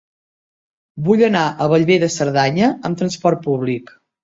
Vull anar a Bellver de Cerdanya amb trasport públic.